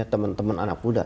teman teman anak muda